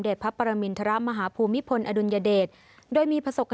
เดรพระประมินทรมหาภูมิพลอดุนยเดตโดยมีพระศก